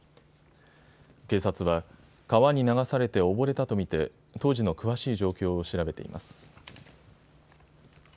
警察は川に流されて溺れたと見て当時の詳しい状況を調べています。